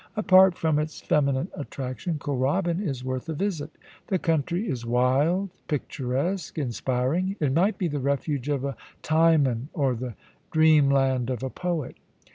Apart from its feminine attraction, Kooralbyn is worth a visit The country is wild, picturesque, inspiring. It might be the refuge of a Timon, or the dreamland of a poet.